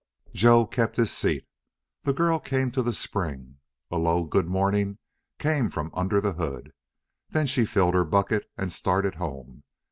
Joe kept his seat. The girl came to the spring. A low "good morning" came from under the hood. Then she filled her bucket and started home.